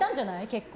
結構。